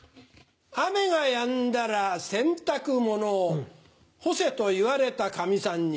雨がやんだら洗濯物を干せと言われたかみさんに。